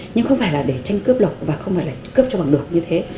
nhưng không phải là để tranh cướp lọc và không phải là cấp cho bằng được như thế